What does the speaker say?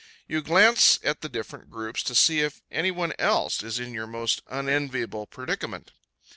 You glance at the different groups to see if any one else is in your most unenviable predicament.